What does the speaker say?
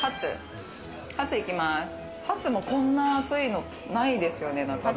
ハツもこんな厚いのないですよね。